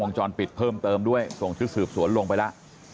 วงจรปิดเพิ่มเติมด้วยส่งที่ศึกษวนลงไปล่ะ